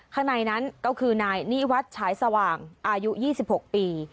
ข้างในนั้นก็คือนายนิวัฒน์ฉายสว่างอายุ๒๖ปี